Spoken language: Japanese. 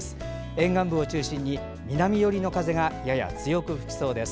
沿岸部を中心に、南寄りの風がやや強く吹きそうです。